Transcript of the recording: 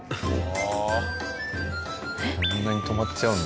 あんなに止まっちゃうんだ。